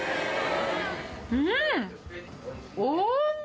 うん！